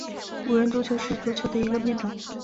五人足球是足球的一个变种。